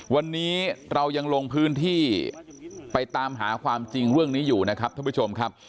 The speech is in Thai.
วันนี้เรายังลงพื้นที่ไปตามหาความจริงเรื่องนี้อยู่นะครับท่านผู้ชมครับ